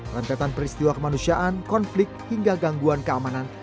rentetan peristiwa kemanusiaan konflik hingga gangguan keamanan